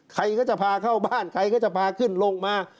ใครก็จะพาเข้าบ้านใครก็จะพาขึ้นลงมา